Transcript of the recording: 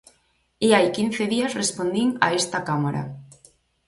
E hai quince días respondín a esta Cámara.